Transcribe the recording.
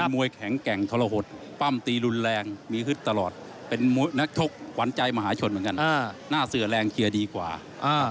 มหาชนเหมือนกันอ่าหน้าเสือแรงเชียร์ดีกว่าอ่า